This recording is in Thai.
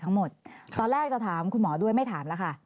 ตอนแรกจะถามคุณหมอด้วยไม่ถามแล้วค่ะ